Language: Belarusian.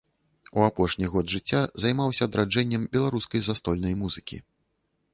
У апошні год жыцця займаўся адраджэннем беларускай застольнай музыкі.